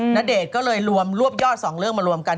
ณเดชน์ก็เลยรวมรวบยอด๒เรื่องมารวมกัน